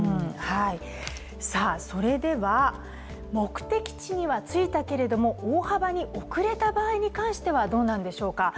それでは、目的地には着いたけれども大幅に遅れた場合に関してはどうなんでしょうか。